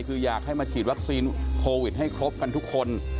คืออยากให้มาฉีดวัคซีนโควิดให้ครบกันทุกคน